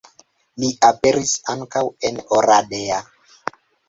Li aperis ankaŭ en Oradea.